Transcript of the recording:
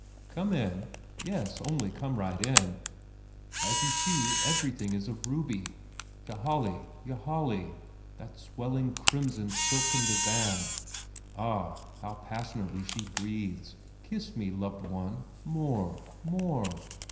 "Come in! Yes, only come right in! As you see everything is of ruby Ylajali, Ylajali! that swelling crimson silken divan! Ah, how passionately she breathes. Kiss me loved one more more!